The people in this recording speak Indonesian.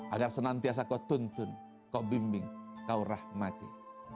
agar senantiasa kau tuntun kaum bimbing kau rahmati